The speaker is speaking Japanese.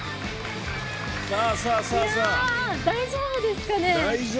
大丈夫ですかね。